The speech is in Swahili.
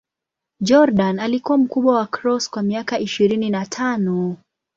Jordan alikuwa mkubwa wa Cross kwa miaka ishirini na tano.